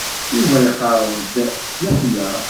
Yuba iqerreb-d s leḥya.